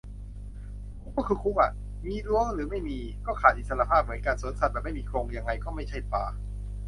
คุกก็คือคุกอ่ะ มีรั้วหรือไม่มี ก็ขาดอิสรภาพเหมือนกัน สวนสัตว์แบบไม่มีกรง ยังไงก็ไม่ใช่ป่า